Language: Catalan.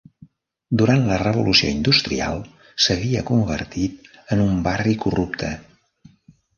Durant la Revolució Industrial, s'havia convertit en un barri corrupte.